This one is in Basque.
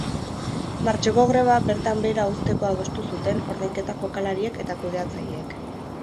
Martxoko greba bertan behera uzteko adostu zuten ordainketa jokalariek eta kudeatzaileek.